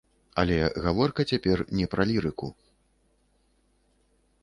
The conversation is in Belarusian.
Але гаворка цяпер не пра лірыку.